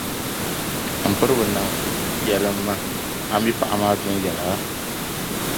M piriba Nanfi, yɛlimi ma, a mi paɣa maa viɛnyɛla?